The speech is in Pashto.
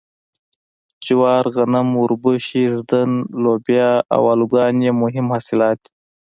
جوار غنم اوربشې ږدن لوبیا او الوګان یې مهم حاصلات دي.